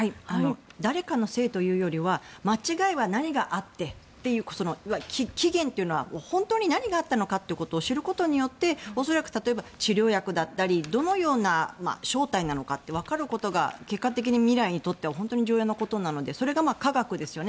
誰かのせいというよりは間違いは何があってという起源というのは本当に何があったのかということを知ることによって恐らく、例えば治療薬だったりどのような正体なのかってわかることが結果的に未来にとっては本当に重要なことなのでそれが科学ですよね。